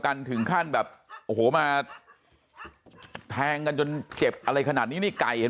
กันถึงขั้นแบบโอ้โหมาแทงกันจนเจ็บอะไรขนาดนี้นี่ไก่เห็น